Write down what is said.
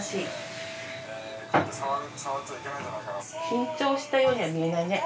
緊張したようには見えないね。